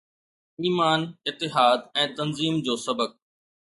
ايمان، اتحاد ۽ تنظيم جو سبق